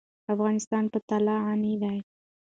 افغانستان په طلا غني دی.